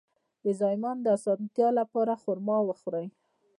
د زایمان د اسانتیا لپاره خرما وخورئ